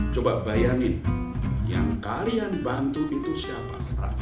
coba bayangin yang kalian bantu itu siapa